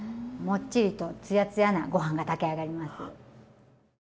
もっちりとつやつやなご飯が炊き上がります。